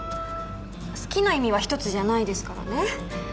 「好き」の意味は一つじゃないですからね